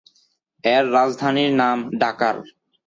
এর রাজধানীর নাম ডাকার।